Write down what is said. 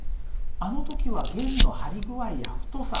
あの時は弦の張り具合や太さ